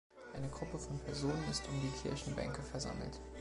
Eine Gruppe von Personen ist um die Kirchenbänke versammelt.